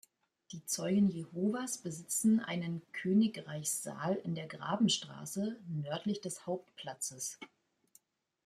Die Zeugen Jehovas besitzen einen „Königreichssaal“ in der Grabenstraße, nördlich des Hauptplatzes.